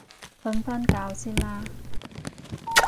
瞓返覺先啦